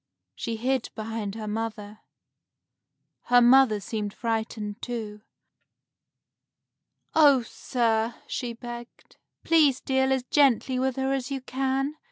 She hid behind her mother. Her mother seemed frightened, too. "Oh, sir," she begged, "please deal as gently with her as you can.